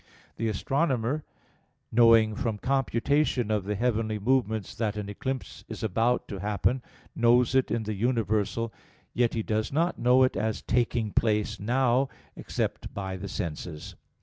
The astronomer, knowing from computation of the heavenly movements that an eclipse is about to happen, knows it in the universal; yet he does not know it as taking place now, except by the senses.